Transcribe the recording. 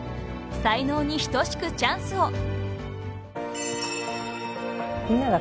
［才能に等しくチャンスを］